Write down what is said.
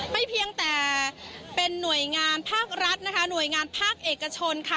เพียงแต่เป็นหน่วยงานภาครัฐนะคะหน่วยงานภาคเอกชนค่ะ